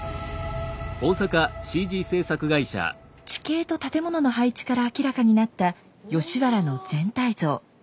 地形と建物の配置から明らかになった吉原の全体像。